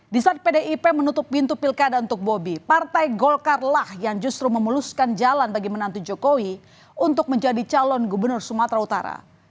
di saat pdip menutup pintu pilkada untuk bobi partai golkar lah yang justru memuluskan jalan bagi menantu jokowi untuk menjadi calon gubernur sumatera utara